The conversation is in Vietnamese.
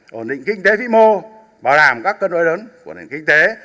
hồn định kinh tế phí mô bảo đảm các cân đối lớn của hồn định kinh tế